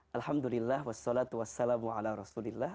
alhamdulillah wassalatu wassalamu ala rasulillah